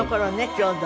ちょうど。